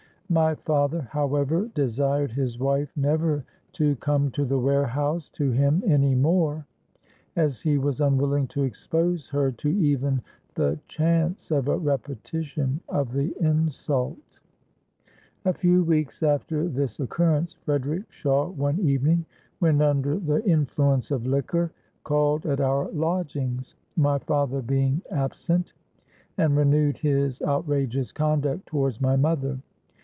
My father, however, desired his wife never to come to the warehouse to him any more, as he was unwilling to expose her to even the chance of a repetition of the insult. "A few weeks after this occurrence Frederick Shawe one evening, when under the influence of liquor, called at our lodgings, my father being absent, and renewed his outrageous conduct towards my mother.